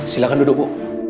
silahkan duduk bu